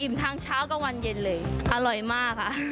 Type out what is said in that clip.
ทางเช้ากับวันเย็นเลยอร่อยมากค่ะ